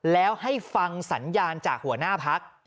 แล้วให้ฟังสัญญาณจากหัวหน้าพัก